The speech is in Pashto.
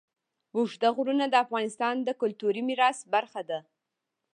اوږده غرونه د افغانستان د کلتوري میراث برخه ده.